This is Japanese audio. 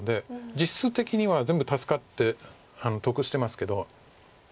実質的には全部助かって得してますけど。